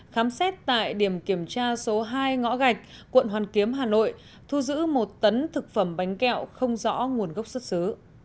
khám xét tại điểm kiểm tra số hai ngõ gạch quận hoàn kiếm hà nội thu giữ một tấn thực phẩm bánh kẹo không rõ nguồn gốc xuất xứ